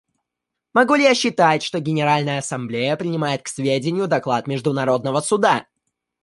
Могу ли я считать, что Генеральная Ассамблея принимает к сведению доклад Международного Суда?